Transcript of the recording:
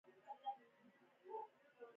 د اوبو سرچینې د افغانستان د جغرافیې بېلګه ده.